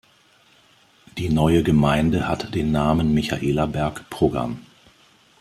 Die neue Gemeinde hat den Namen Michaelerberg-Pruggern.